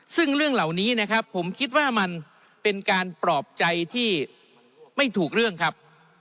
ซึ่งเรื่องเหล่านี้นะครับผมคิดว่ามันเป็นการปลอบใจที่ไม่ถูกเรื่องครับ